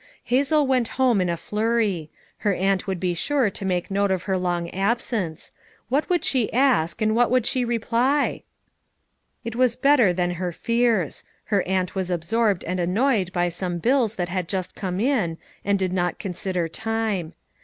Hazel went home in a flurry. Her aunt would be sure to make note of her long ab sence; what would she ask, and what would she reply? It was better than her fears. Her aunt was absorbed and annoyed by some bills that had just come in, and did not consider time.